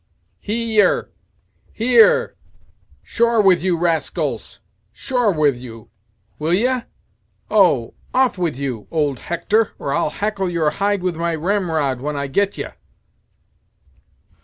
He ere, he ere shore with you, rascals shore with you will ye? Oh! off with you, old Hector, or I'll hackle your hide with my ramrod when I get ye."